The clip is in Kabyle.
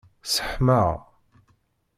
Sseḥmaɣ.